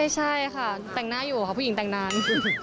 ใช่ค่ะแต่งหน้าอยู่ค่ะผู้หญิงแต่งงาน